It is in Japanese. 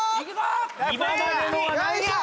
今までのは何や！